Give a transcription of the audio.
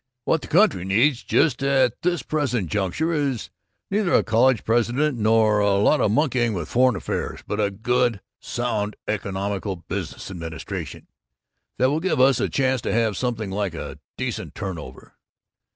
What the country needs just at this present juncture is neither a college president nor a lot of monkeying with foreign affairs, but a good sound economical business administration, that will give us a chance to have something like a decent turnover."